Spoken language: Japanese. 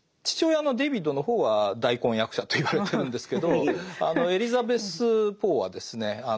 父親のデビッドの方は大根役者といわれてるんですけどエリザベス・ポーはですね